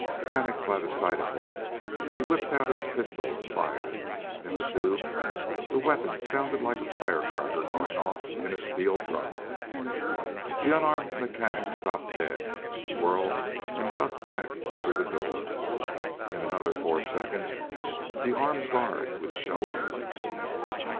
Panicked by the sight of them, he whipped out his pistol and fired. In the tube, the weapon sounded like a firecracker going off in a steel drum. The unarmed mechanics stopped dead, whirled and ducked back through the door. In another four seconds, the armed guards would show up.